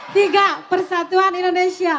tiga persatuan indonesia